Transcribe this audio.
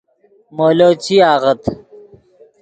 مولو چی آغت